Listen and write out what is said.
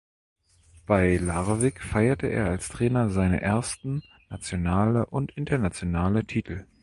Bei Larvik feierte er als Trainer seine ersten nationale und internationale Titel.